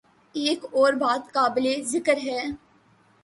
ایک اور بات قابل ذکر ہے۔